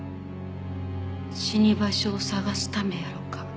死に場所を探すためやろか？